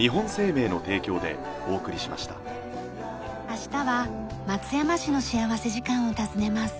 明日は松山市の幸福時間を訪ねます。